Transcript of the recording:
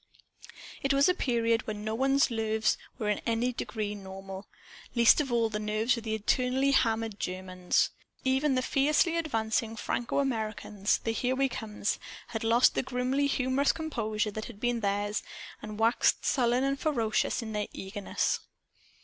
It was a period when no one's nerves were in any degree normal least of all the nerves of the eternally hammered Germans. Even the fiercely advancing Franco Americans, the "Here We Comes," had lost the grimly humorous composure that had been theirs, and waxed sullen and ferocious in their eagerness.